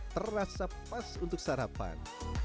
terasa pas untuk sarapan